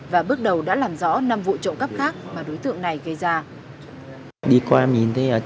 và bước đầu đã làm rõ năm vụ trộm cắp khác mà đối tượng này gây ra